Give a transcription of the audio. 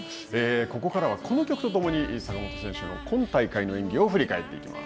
ここからはこの曲と共に坂本選手の今大会の演技を振り返っていきます。